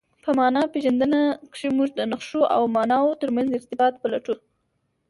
په مانا پېژندنه کښي موږ د نخښو او ماناوو ترمنځ ارتباط پلټو.